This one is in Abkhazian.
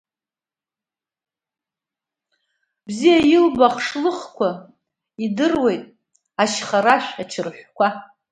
Бзиа илбо ахшлыхқәа идыруеит, ашьхарашә, ачырҳәқа.